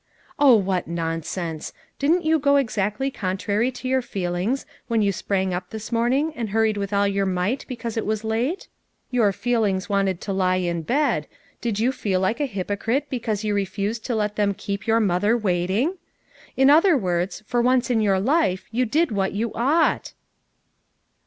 "Oh, what nonsense! didn't you go exactly contraiy to your feelings when j t ou sprang up this morning and hurried with all your might because it was late? Your feelings wanted to lie in bed ; did you feel like a hypocrite because you refused to let them keep your mother wait ing? In other words, for once in your life you did what you ought.